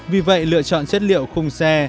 vì vậy lựa chọn chất liệu khung xe